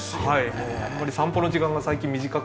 もうあんまり散歩の時間が最近短くて。